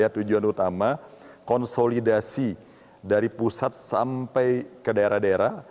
tujuan utama konsolidasi dari pusat sampai ke daerah daerah